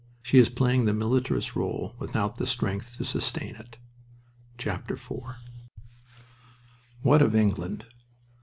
She is playing the militarist role without the strength to sustain it. IV What of England?...